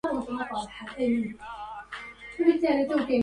القرى قد تهدمت والبيوت